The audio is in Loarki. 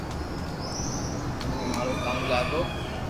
تمو مارو ڪاو لاگو